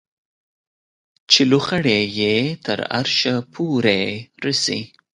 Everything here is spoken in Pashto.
چې لوخړې یې تر عرشه پورې رسي